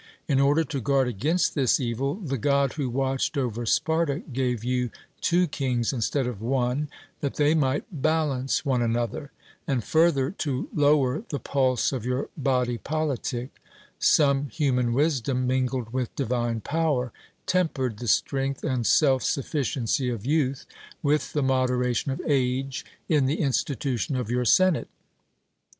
In order to guard against this evil, the God who watched over Sparta gave you two kings instead of one, that they might balance one another; and further to lower the pulse of your body politic, some human wisdom, mingled with divine power, tempered the strength and self sufficiency of youth with the moderation of age in the institution of your senate.